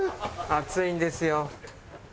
暑いんですよ。